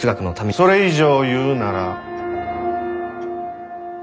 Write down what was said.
それ以上言うなら。